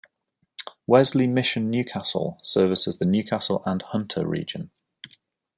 Wesley Mission Newcastle services the Newcastle and Hunter region.